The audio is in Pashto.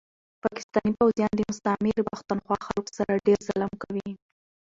پاکستاني پوځيان دي مستعمري پښتونخوا خلکو سره ډير ظلم کوي